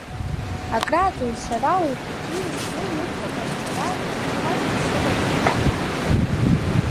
Акрааҵуан сара ауаҩ хәыҷы изкны ҩымҭак аԥҵара гәыҵхас исымазижьҭеи.